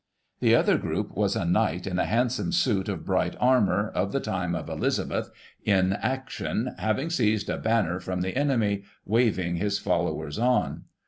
The other group was a knight in a handsome suit of bright armour, of the time of Elizabeth, in action, having seized a banner from the enemy, waving his followers on.